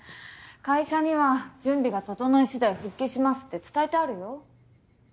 会社には準備が整いしだい復帰しますって伝えてあるよ。